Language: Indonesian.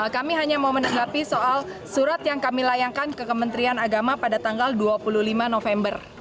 kami hanya mau menanggapi soal surat yang kami layankan ke kementerian agama pada tanggal dua puluh lima november